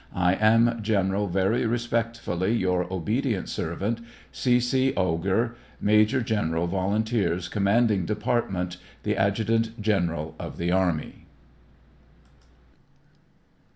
I am, general, very respectfully, your obedient servant, C. 0. AUGUR, Major Gen. Vols., Commanding Department. The Adjutant General of the Army.